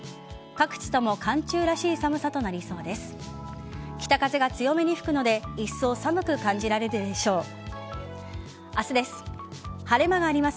各地とも寒中らしい寒さとなりそうです。